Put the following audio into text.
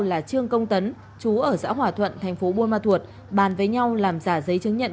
là trương công tấn chú ở giã hỏa thuận tp bung ma thuật bàn với nhau làm giả giấy chứng nhận